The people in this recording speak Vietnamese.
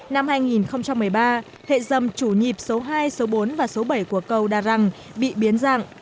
năm hai nghìn một mươi ba hệ dầm chủ nhịp số hai số bốn và số bảy của cầu đà răng bị biến dạng